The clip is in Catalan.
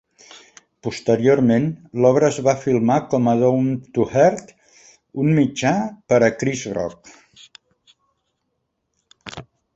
Posteriorment, l'obra es va filmar com "Down to Earth", un mitjà per a Chris Rock.